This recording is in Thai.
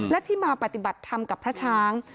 และที่มาปฏิบัติธรรมกับพระช้าง